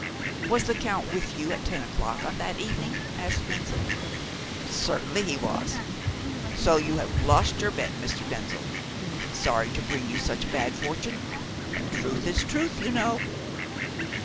"Was the Count with you at ten o'clock on that evening?" asked Denzil. "Certainly he was; so you have lost your bet, Mr. Denzil. Sorry to bring you such bad fortune, but truth is truth, you know."